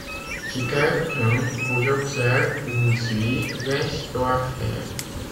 Si quelqu’un vous observe ou vous suit, laisse-toi faire